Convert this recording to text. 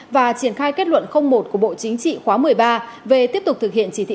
và triển khai kết luận một của bộ chính trị khóa một mươi ba về tiếp tục thực hiện chỉ thị